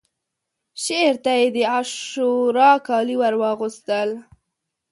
شعر ته یې د عاشورا کالي ورواغوستل